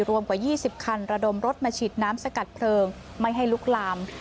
รวมกว่า๒๐คันระดมรถมาฉีดน้ำสกัดเพลิงไม่ให้ลุกลาม